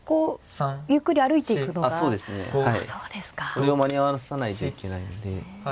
それを間に合わさないといけないので。